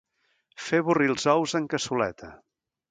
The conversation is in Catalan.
Fer avorrir els ous en cassoleta.